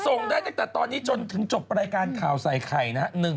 ส่งได้ตั้งแต่ตอนนี้จนถึงจบรายการข่าวใส่ไข่นะฮะ